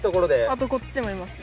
あとこっちにもいますよ。